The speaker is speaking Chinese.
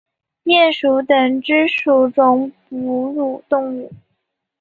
鼹属等之数种哺乳动物。